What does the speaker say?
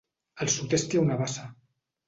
Al sud-est hi ha una bassa.